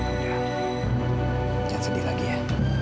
udah jangan sedih lagi ya